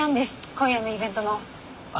今夜のイベントの。